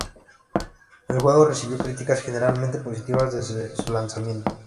El juego recibió críticas generalmente positivas desde su lanzamiento.